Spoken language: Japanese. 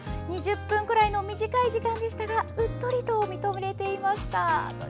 ２０分ぐらいの短い時間でしたがうっとりと見とれていました。